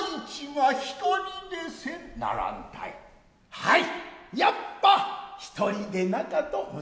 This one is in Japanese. はい。